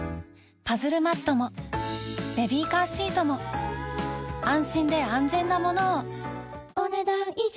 パズルマットもベビーカーシートも安心で安全なものをお、ねだん以上。